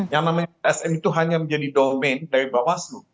yang namanya tsm itu hanya menjadi domain dari bawah seluruh